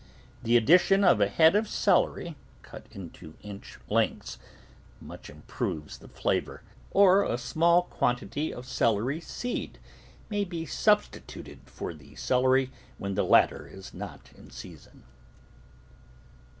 The addition of a head of celery, cut into inch lengths, much improves the flavour, or a small quantity of celery seed may be substituted for the celery when the latter is not in season.